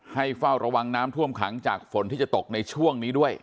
เฝ้าระวังน้ำท่วมขังจากฝนที่จะตกในช่วงนี้ด้วย